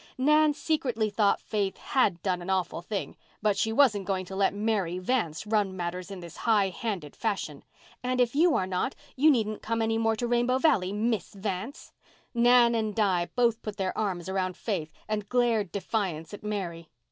Nan secretly thought Faith had done a awful thing, but she wasn't going to let Mary Vance run matters in this high handed fashion. "And if you are not you needn't come any more to Rainbow Valley, Miss Vance." Nan and Di both put their arms around Faith and glared defiance at Mary.